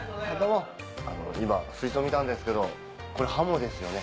今水槽見たんですけどこれハモですよね？